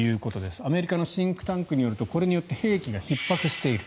アメリカのシンクタンクによるとこれによって兵器がひっ迫している。